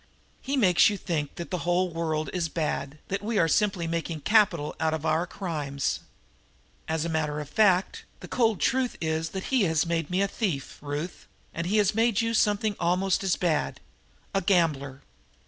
He makes you think that the whole world is bad, that we are simply making capital out of our crimes. As a matter of fact, the cold truth is that he has made me a thief, Ruth, and he has made you something almost as bad a gambler!"